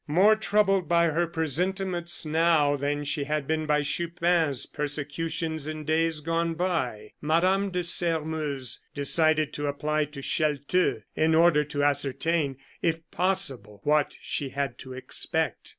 More troubled by her presentiments now, than she had been by Chupin's persecutions in days gone by, Mme. de Sairmeuse decided to apply to Chelteux in order to ascertain, if possible, what she had to expect.